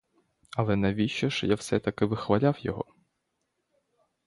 Але навіщо ж я все-таки вихваляв його?